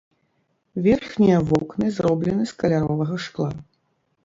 Верхнія вокны зроблены з каляровага шкла.